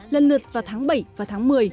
lần lượt vào tháng bảy và tháng một mươi